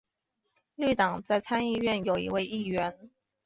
绿党在参议院有一位议员。